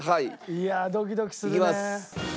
いやドキドキするね。いきます。